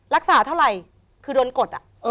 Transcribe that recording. รักษาเท่าไหร่คือโดนกดอ่ะ